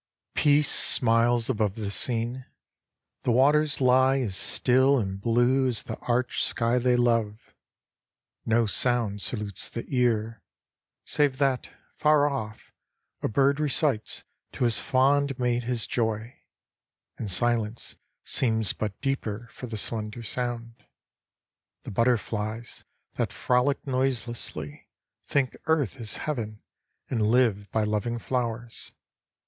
Peace smiles above the scene. The waters lie As still and blue as the arched sky they love. No sound salutes the ear, save that, far off, A bird recites to his fond mate his joy; And silence seems but deeper for the slender sound. The butterflies, that frolic noiselessly, Think Earth is Heaven and live by loving flowers.